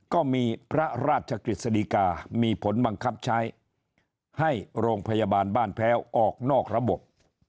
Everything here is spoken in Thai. ก็มีพระราชกฤษฎีกามีผลบังคับใช้ให้โรงพยาบาลบ้านแพ้วออกนอกระบบ